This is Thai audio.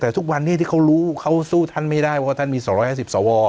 แต่ทุกวันนี้ที่เขารู้เขาสู้ท่านไม่ได้ว่าท่านมี๒๕๐สว